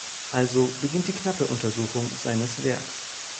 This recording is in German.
Also beginnt die knappe Untersuchung seines Werks.